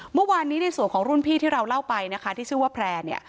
เมื่อวานนี้ในส่วนของรุ่นพี่ที่เราเล่าไปนะคะที่ชื่อว่าแพร่เนี่ย